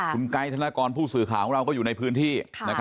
คุณไกด์ธนกรผู้สื่อข่าวของเราก็อยู่ในพื้นที่